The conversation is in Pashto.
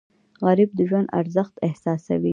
غریب د ژوند ارزښت احساسوي